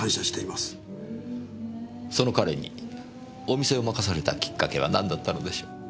その彼にお店を任されたきっかけは何だったのでしょう？